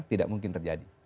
tidak mungkin terjadi